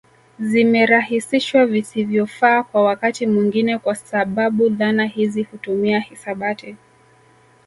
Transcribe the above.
Zimerahisishwa visivyofaaa kwa wakati mwingine kwa sababu dhana hizi hutumia hisabati